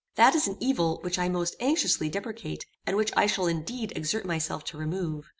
That is an evil which I most anxiously deprecate, and which I shall indeed exert myself to remove.